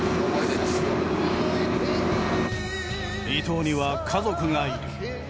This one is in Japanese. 伊藤には家族がいる。